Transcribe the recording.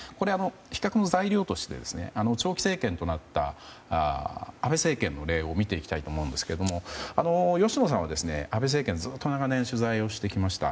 比較の材料として長期政権となった安倍政権の例を見ていきたいと思うんですけど吉野さんは安倍政権をずっと長年取材をしてきました。